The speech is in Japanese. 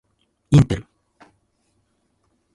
インテル